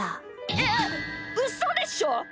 えっうそでしょ！？